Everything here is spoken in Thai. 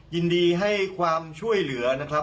ยินดีให้ความช่วยเหลือนะครับ